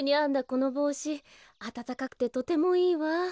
このぼうしあたたかくてとてもいいわ。